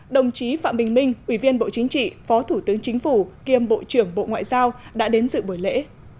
đồng chí phạm bình minh ủy viên bộ chính trị phó thủ tướng chính phủ kiêm bộ trưởng bộ ngoại giao đã đến dự buổi lễ